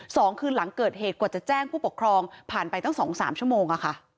สองคืนหลังเกิดเหตุกว่าจะแจ้งผู้ปกครองผ่านไปตั้งสองสามชั่วโมงอะค่ะ